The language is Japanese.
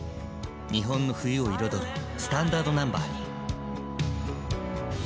日本の冬を彩るスタンダードナンバーに。